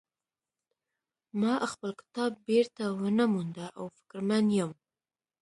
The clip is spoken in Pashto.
ما خپل کتاب بیرته ونه مونده او فکرمن یم